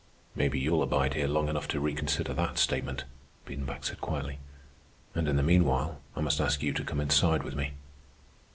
"Maybe you'll abide here long enough to reconsider that statement," Biedenbach said quietly. "And in the meanwhile I must ask you to come inside with me."